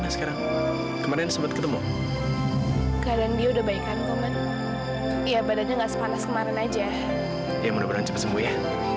sampai jumpa di video selanjutnya